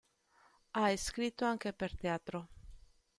Ha scritto anche per teatro.